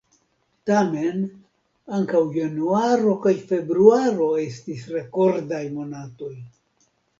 Tamen, ankaŭ januaro kaj februaro estis rekordaj monatoj.